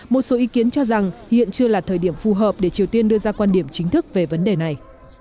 một số ý kiến cho rằng hiện chưa là thời điểm phù hợp để triều tiên đưa ra quan điểm chính thức về vấn đề này